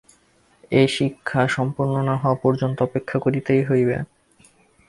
এই শিক্ষা সম্পূর্ণ না হওয়া পর্যন্ত অপেক্ষা করিতেই হইবে।